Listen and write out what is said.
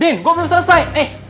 din gue belum selesai